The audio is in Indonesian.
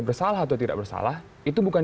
bersalah atau tidak bersalah itu bukan